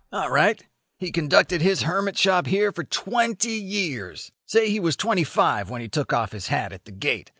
"All right. He conducted his hermit shop here for twenty years. Say he was twenty five when he took off his hat at the gate.